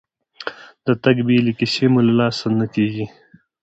د تګ بیلې کیسې مې له لاسه نه کېږي.